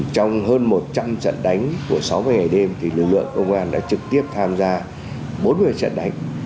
trong hơn một trăm linh trận đánh của sáu mươi ngày đêm thì lực lượng công an đã trực tiếp tham gia bốn mươi trận đánh